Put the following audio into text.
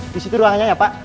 di situ ruangannya ya pak